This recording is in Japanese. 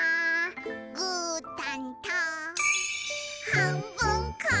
「ぐーたんとはんぶんこ！」